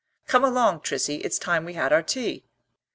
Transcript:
"Come along, Trissie; it's time we had our tea."